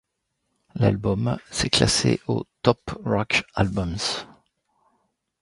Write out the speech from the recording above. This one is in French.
L'album s'est classé au Top Rock Albums.